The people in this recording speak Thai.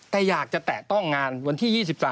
แต่อยากจะแตะต้องงานวันที่๒๓